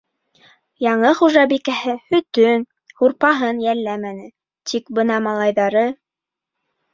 Яңы хужабикәһе һөтөн, һурпаһын йәлләмәне, тик бына малайҙары...